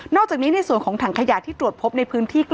อกจากนี้ในส่วนของถังขยะที่ตรวจพบในพื้นที่